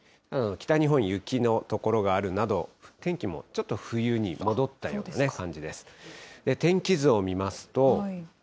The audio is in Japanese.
なので、北日本、雪の所があるなど、天気もちょっと冬に戻ったような感じです。